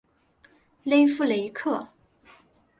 勒夫雷克。